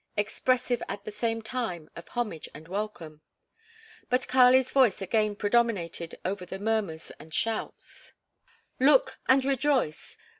expressive at the same time of homage and welcome. But Kali's voice again predominated over the murmurs and shouts: "Look and rejoice!